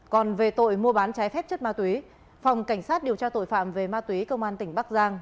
còn về tội mua bán trái phép chất ma túy phòng cảnh sát điều tra tội phạm về ma túy công an tỉnh bắc giang